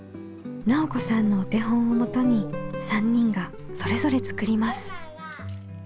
直子さんのお手本をもとに３人がそれぞれ作ります。